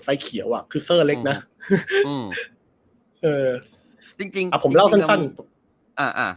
เขียวอ่ะคือเซอร์เล็กน่ะอืมเออจริงจริงอ่ะผมเล่าสั้นสั้นอ่าอ่า